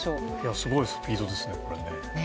すごいスピードですね。